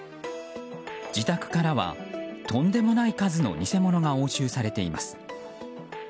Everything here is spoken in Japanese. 自宅からはとんでもない数の偽物が押収されています。